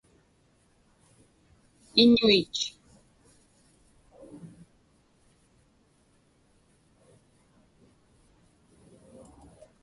iñuich